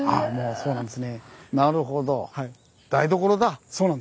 そうなんです。